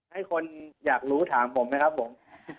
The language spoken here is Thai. ให้คนอยากรู้ถามผมไหมครับผม